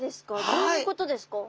どういうことですか？